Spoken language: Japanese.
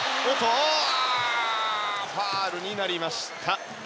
ファウルになりました。